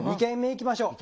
行きましょう。